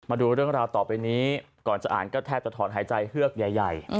มาดูเรื่องราวต่อไปนี้ก่อนจะอ่านก็แทบจะถอนหายใจเฮือกใหญ่